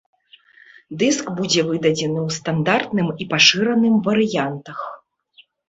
Дыск будзе выдадзены ў стандартным і пашыраным варыянтах.